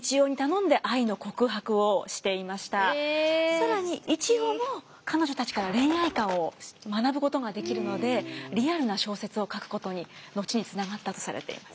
更に一葉も彼女たちから恋愛観を学ぶことができるのでリアルな小説を書くことに後につながったとされています。